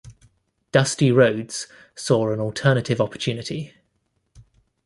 Dusty Rhodes saw an alternate opportunity.